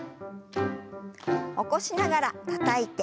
起こしながらたたいて。